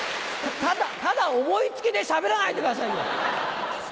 ただ思い付きでしゃべらないでくださいよ。